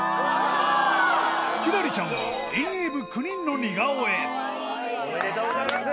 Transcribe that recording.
輝星ちゃんは遠泳部９人の似顔絵おめでとうございます！